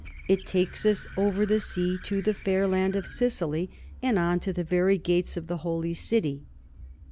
It takes us over the sea to the fair land of Sicily and on to the very gates of the Holy City.